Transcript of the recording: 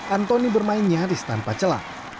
antoni bermain nyaris tanpa celah